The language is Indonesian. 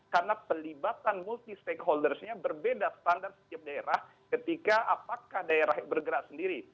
karena pelibatan multi stakeholdersnya berbeda standar setiap daerah ketika apakah daerah bergerak sendiri